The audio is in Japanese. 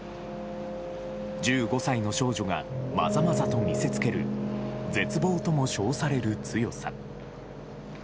１５歳の少女がまざまざと見せつける絶望とも称される強さ。